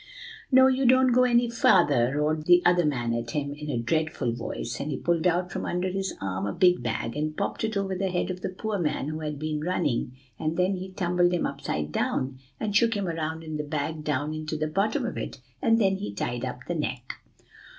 "'No, you don't go any farther,' roared the other man at him, in a dreadful voice; and he pulled out from under his arm a big bag, and popped it over the head of the poor man who had been running, and then he tumbled him upside down, and shook him around in the bag down into the bottom of it, and then he tied up the neck."